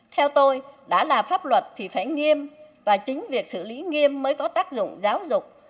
theo tôi đã là pháp luật thì phải nghiêm và chính việc xử lý nghiêm mới có tác dụng giáo dục